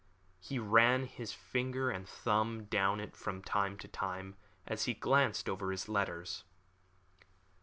He ran his finger and thumb down it from time to time, as he glanced over his letters.